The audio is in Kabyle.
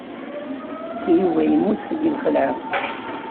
Yuba yemmut seg lxelɛa.